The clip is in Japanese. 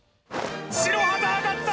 白旗あがった！